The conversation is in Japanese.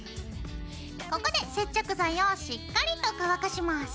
ここで接着剤をしっかりと乾かします。